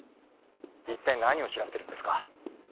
☎一体何を調べてるんですか？